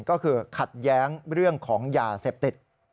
ก็คือขัดแย้งเรื่องของยาเสพติด